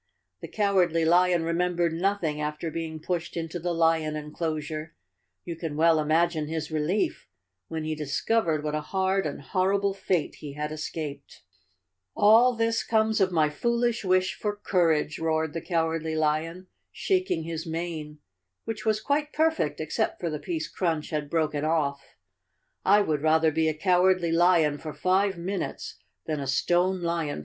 The Cowardly Lion remembered nothing after being pushed into the lion enclosure. You can well imagine his relief when he discovered what a hard and horrible fate he had escaped. "All this comes of my foolish wish for courage," roared the Cowardly Lion, shaking his mane, which was quite perfect except for the piece Crunch had broken 283 The Cowardly Lion of Oz off.